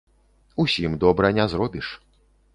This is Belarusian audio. Усім добра не зробіш.